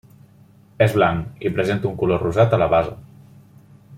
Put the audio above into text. És blanc, i presenta un color rosat a la base.